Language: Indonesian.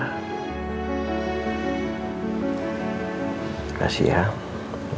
terima kasih ya